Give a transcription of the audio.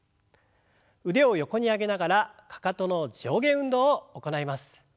腕を横に上げながらかかとの上下運動を行います。